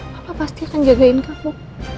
bapak pasti akan jagain kamu